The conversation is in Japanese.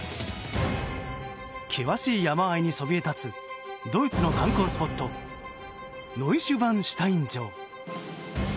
険しい山あいにそびえ立つドイツの観光スポットノイシュバンシュタイン城。